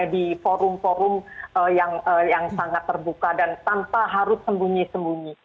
di forum forum yang sangat terbuka dan tanpa harus sembunyi sembunyi